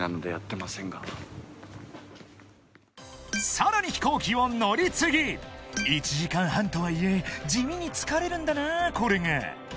［さらに飛行機を乗り継ぎ］［１時間半とはいえ地味に疲れるんだなこれが］